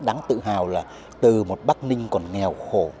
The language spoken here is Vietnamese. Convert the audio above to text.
sang khu vực asean đạt năm bảy mươi ba tỷ usd